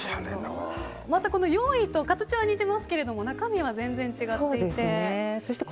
また４位と形は似てますけど中身は全然違っていて。